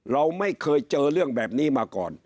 เราไม่เคยเจอเรื่องแบบนี้มาก่อน